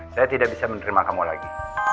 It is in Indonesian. saya tidak bisa menerima kamu lagi